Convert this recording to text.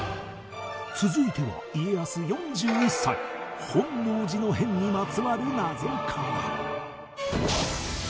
続いては家康４１歳本能寺の変にまつわる謎から